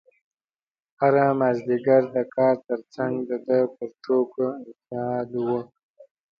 هره مازدیګر د کار ترڅنګ د ده پر ټوکو اعتیاد و.